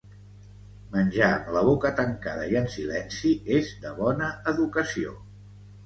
Menjar amb la boca tancada i en silenci és de bona educació.